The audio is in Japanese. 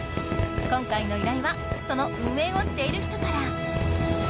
今回の依頼はその運営をしている人から。